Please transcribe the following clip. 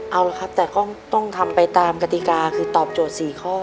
เอาละครับแต่ก็ต้องทำไปตามกติกาคือตอบโจทย์๔ข้อ